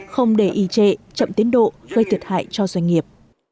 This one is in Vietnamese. không để y trệ chậm tiến độ gây thiệt hại cho doanh nghiệp